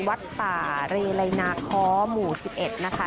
วัดป่าเรไลนาค้อหมู่๑๑นะคะ